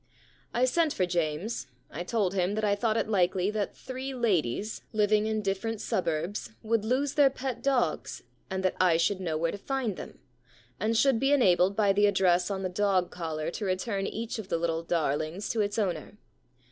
* I sent for James. I told him that I thought it likely that three ladies, living in different suburbs, would lose their pet dogs and that I should know where to find them, and should be enabled by the address on the dog collar to return each of the little darlings to its owner.